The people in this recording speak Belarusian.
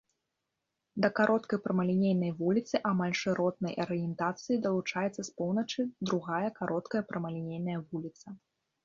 Да кароткай прамалінейнай вуліцы амаль шыротнай арыентацыі далучаецца з поўначы другая кароткая прамалінейная вуліца.